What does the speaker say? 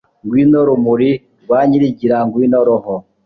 r/ ngwino rumuri rwa nyirigira, ngwino roho